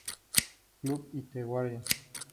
Club y The Guardian.